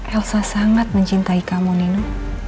elsa sangat mencintai kamu nenu